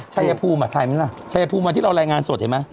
ชัยภูมิชัยภูมิวันที่เราแรงงานสดเห็นไหม